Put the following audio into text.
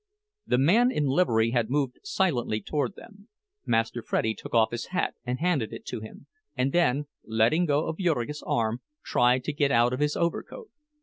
The man in livery had moved silently toward them; Master Freddie took off his hat and handed it to him, and then, letting go of Jurgis' arm, tried to get out of his overcoat.